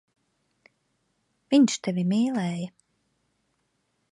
Viņš tevi mīlēja.